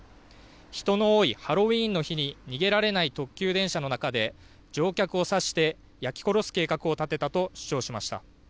人の多いハロウィーンの日に逃げられない特急電車の中で乗客を刺して焼き殺す計画を立てたと主張しました。